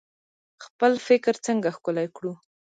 خپل فکر څنګه ښکلی کړو؟